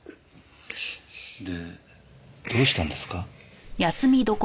でどうしたんですか？